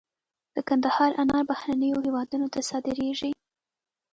د کندهار انار بهرنیو هیوادونو ته صادریږي.